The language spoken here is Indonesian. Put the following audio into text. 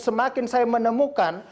semakin saya menemukan